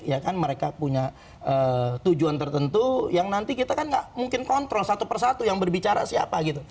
ya kan mereka punya tujuan tertentu yang nanti kita kan nggak mungkin kontrol satu persatu yang berbicara siapa gitu